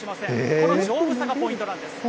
この丈夫さがポイントなんです。